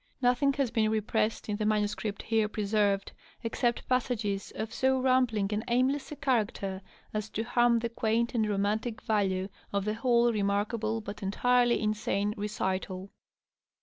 Nothing has been repressed in the manuscript here preserved except passages of so rambling and aimless a character as to harm the quaint and romantic value of the whole remarkable but entirely insane recital.